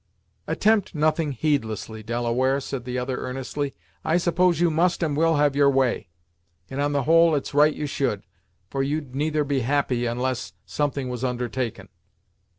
"Attempt nothing heedlessly, Delaware," said the other earnestly; "I suppose you must and will have your way; and, on the whole it's right you should, for you'd neither be happy, unless something was undertaken.